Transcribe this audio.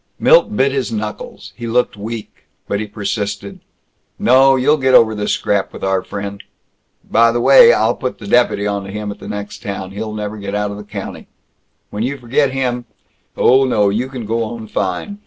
Milt bit his knuckles. He looked weak. But he persisted, "No, you'll get over this scrap with our friend. By the way, I'll put the deputy onto him, in the next town. He'll never get out of the county. When you forget him Oh no, you can go on fine.